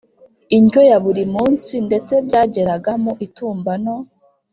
indyo ya buri munsi. Ndetse byageraga mu itumba no